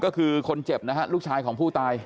ก็คือคนเจ็บนะฮะลูกชายของผู้ตาย